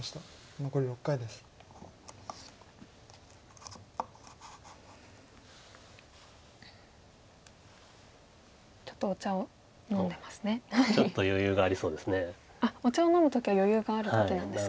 あっお茶を飲む時は余裕がある時なんですか？